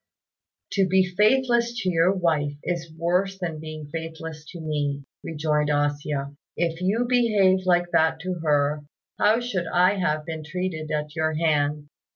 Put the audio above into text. "To be faithless to your wife is worse than being faithless to me," rejoined A hsia; "if you behaved like that to her, how should I have been treated at your hands?